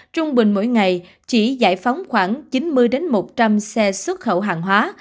trung bình mỗi ngày chỉ giải phóng khoảng chín mươi một trăm linh xe xuất khẩu hàng hóa